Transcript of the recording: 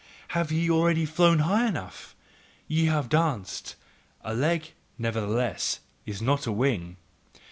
Have ye already flown high enough? Ye have danced: a leg, nevertheless, is not a wing.